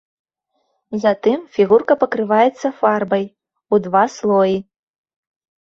Затым фігурка пакрываецца фарбай у два слоі.